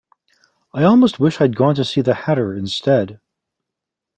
I almost wish I’d gone to see the Hatter instead!